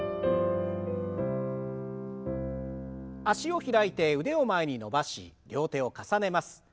脚を開いて腕を前に伸ばし両手を重ねます。